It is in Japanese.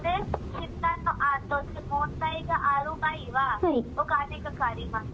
診断のあと、問題がある場合は、お金かかります。